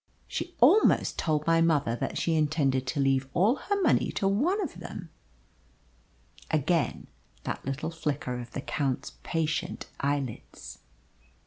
She almost told my mother that she intended to leave all her money to one of them." Again that little flicker of the Count's patient eyelids.